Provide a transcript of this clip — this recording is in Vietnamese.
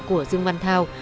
của dương quan thao